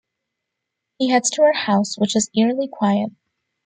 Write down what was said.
He heads to her house, which is eerily quiet.